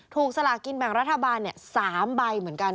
สลากินแบ่งรัฐบาล๓ใบเหมือนกัน